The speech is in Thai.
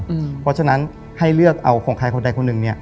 เพราะฉะนั้นให้เลือกเอาของใครคนใดคนหนึ่งเนี่ย